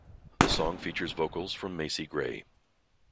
The song features vocals from Macy Gray.